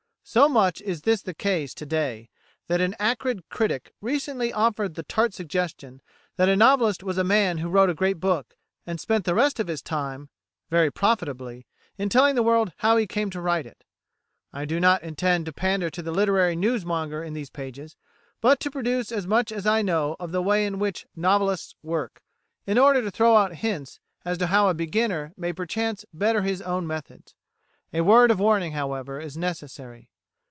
So much is this the case to day that an acrid critic recently offered the tart suggestion that a novelist was a man who wrote a great book, and spent the rest of his time very profitably in telling the world how he came to write it. I do not intend to pander to the literary news monger in these pages, but to reproduce as much as I know of the way in which novelists work, in order to throw out hints as to how a beginner may perchance better his own methods. A word of warning, however, is necessary.